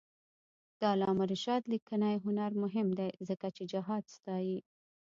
د علامه رشاد لیکنی هنر مهم دی ځکه چې جهاد ستايي.